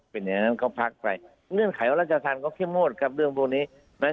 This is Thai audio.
เป็นอย่างนั้นก็พักไปเรื่องขายราชธรรมก็แค่โมทครับเรื่องพวกนี้